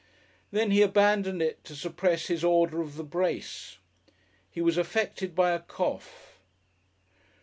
Then he abandoned it to suppress his Order of the Brace. He was affected by a cough.